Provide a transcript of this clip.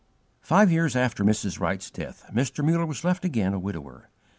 Five years after Mrs. Wright's death, Mr. Muller was left again a widower.